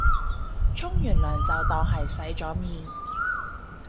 沖完涼就當係洗咗面